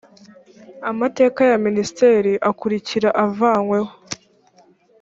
amateka ya minisitiri akurikira avanyweho